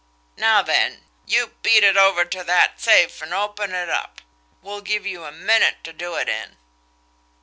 Now then, you beat it over ter that safe, an' open it up we'll give you a minute ter do it in."